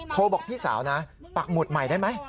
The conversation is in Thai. โทรบอกพี่สาวนะปักหมุดใหม่ได้ไหม